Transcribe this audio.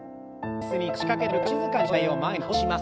椅子に腰掛けてる方も静かに上体を前に倒します。